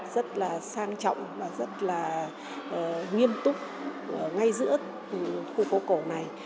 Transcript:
rất là sang trọng và rất là nghiêm túc ngay giữa khu phố cổ này